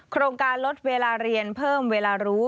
โครงการลดเวลาเรียนเพิ่มเวลารู้